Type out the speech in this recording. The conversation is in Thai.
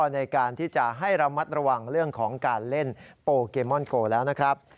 ในการที่จะให้ระมัดระวังเรื่องของการเล่นโปเกมอนโกแล้วนะครับ